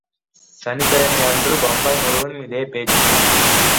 சனிக்கிழமை அன்று பம்பாய் முழுவதும் இதே பேச்சு.